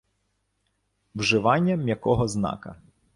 Вживання м'якого знака